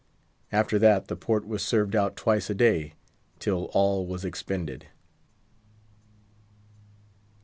After that the port was served out twice a day, till all was expended.